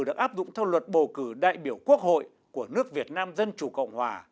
được áp dụng theo luật bầu cử đại biểu quốc hội của nước việt nam dân chủ cộng hòa